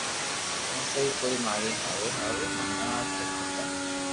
آ سھي ڪوئي ماري ھارو مني اج سب ختم